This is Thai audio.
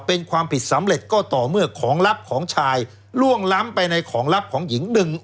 เป็นความผิดสำเร็จก็ต่อเมื่อของลับของชายล่วงล้ำไปในของลับของหญิงหนึ่ง